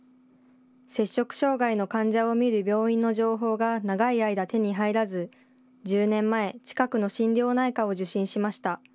摂食障害の患者を診る病院の情報が長い間、手に入らず、１０年前、近くの心療内科を受診しました。